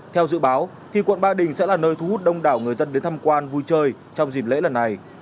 theo dự báo thì quận ba đình sẽ là nơi thu hút đông đảo người dân đến tham quan vui chơi trong dịp lễ lần này